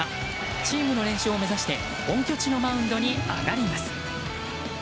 チームの連勝を目指して本拠地のマウンドに上がります。